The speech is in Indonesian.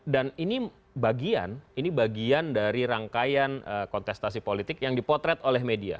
dan ini bagian ini bagian dari rangkaian kontestasi politik yang dipotret oleh media